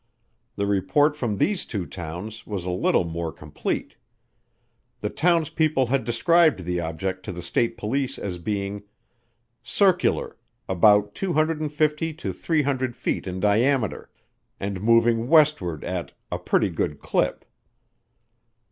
The report from these two towns was a little more complete. The townspeople had described the object to the state police as being "circular, about 250 to 300 feet in diameter," and moving westward at a "pretty good clip."